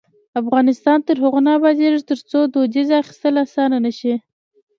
افغانستان تر هغو نه ابادیږي، ترڅو د ویزې اخیستل اسانه نشي.